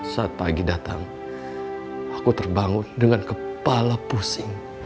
saat pagi datang aku terbangun dengan kepala pusing